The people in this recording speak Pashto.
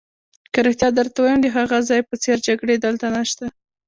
که رښتیا درته ووایم، د هغه ځای په څېر جګړې دلته نشته.